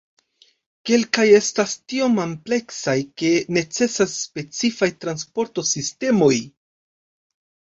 Kelkaj estas tiom ampleksaj ke necesas specifaj transporto-sistemoj.